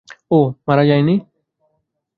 ও মারা যায়নি।